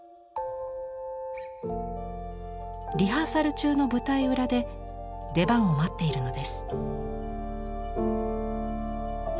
リハーサル中の舞台裏で出番を待っているのです。